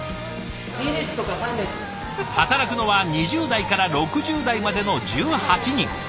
働くのは２０代から６０代までの１８人。